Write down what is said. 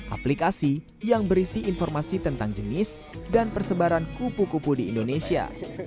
aplikasi yang berisi informasi tentang jenis dan persebaran kupu kupu di indonesia